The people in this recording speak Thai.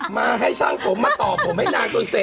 มาให้ช่างผมมาต่อผมให้นางจนเสร็จ